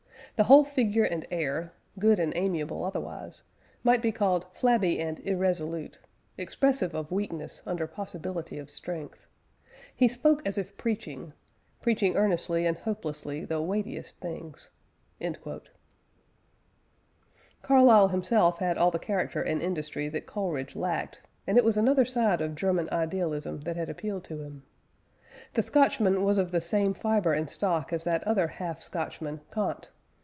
The whole figure and air, good and amiable otherwise, might be called flabby and irresolute; expressive of weakness under possibility of strength.... He spoke as if preaching preaching earnestly and hopelessly the weightiest things." Carlyle himself had all the character and industry that Coleridge lacked, and it was another side of German idealism that had appealed to him. The Scotchman was of the same fibre and stock as that other half Scotchman, Kant.